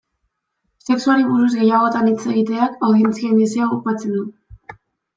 Sexuari buruz gehiagotan hitz egiteak, audientzia indizea aupatzen du.